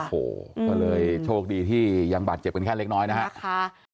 โอ้โหก็เลยโชคดีที่ยังบาดเจ็บกันแค่เล็กน้อยนะครับ